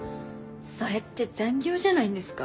それって残業じゃないんですか？